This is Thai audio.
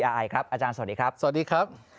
อาจารย์สวัสดีครับสวัสดีครับสวัสดีครับ